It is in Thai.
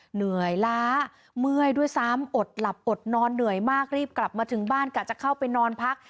เหนื่อยล้าเมื่อยด้วยซ้ำอดหลับอดนอนเหนื่อยมากรีบกลับมาถึงบ้านกะจะเข้าไปนอนพัก